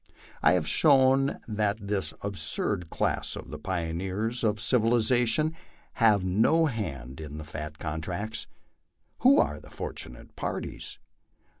I have shown that this abused class of the pioneers of civilization have no hand in the fat contracts. Who are the fortunate parties?